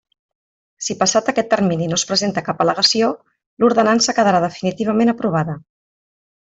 Si passat aquest termini no es presenta cap al·legació, l'Ordenança quedarà definitivament aprovada.